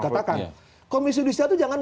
katakan komisi judisial itu jangan